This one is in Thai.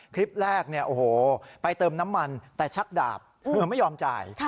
คลิปแรกไปเติมน้ำมันแต่ชักดาบเหมือนไม่ยอมจ่าย